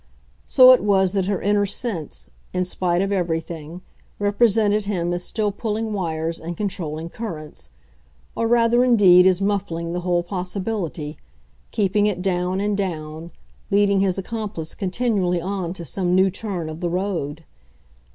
So it was that her inner sense, in spite of everything, represented him as still pulling wires and controlling currents, or rather indeed as muffling the whole possibility, keeping it down and down, leading his accomplice continually on to some new turn of the road.